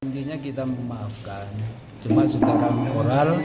mungkinnya kita memaafkan cuma sudah kami moral